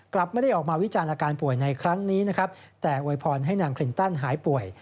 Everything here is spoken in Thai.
กลับไม่ได้ออกมาวิจารณ์อาการป่วยในครั้งนี้นะครับแต่อวยพรให้นางคลินตันหายป่วย